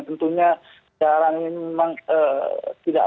tentunya sekarang memang tidak